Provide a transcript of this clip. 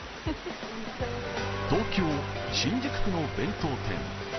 東京・新宿区の弁当店。